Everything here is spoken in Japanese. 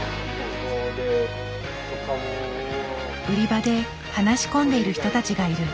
売り場で話し込んでいる人たちがいる。